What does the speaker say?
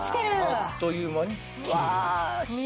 あっという間に消える。